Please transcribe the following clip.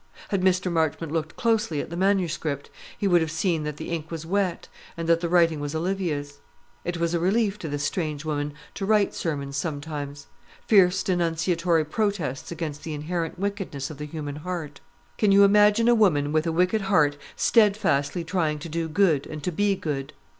Had Mr. Marchmont looked closely at the manuscript, he would have seen that the ink was wet, and that the writing was Olivia's. It was a relief to this strange woman to write sermons sometimes fierce denunciatory protests against the inherent wickedness of the human heart. Can you imagine a woman with a wicked heart steadfastly trying to do good, and to be good?